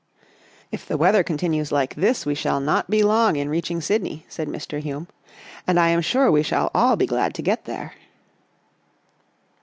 "If the weather continues like this we shall not be long in reaching Sydney,' 5 said Mr. Hume. " And I am sure we shall all be glad to get there."